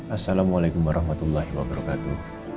assalamualaikum warahmatullahi wabarakatuh